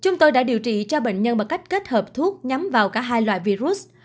chúng tôi đã điều trị cho bệnh nhân bằng cách kết hợp thuốc nhắm vào cả hai loại virus